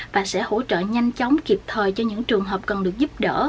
và sẽ hỗ trợ nhanh chóng kịp thời cho những trường hợp cần được giúp đỡ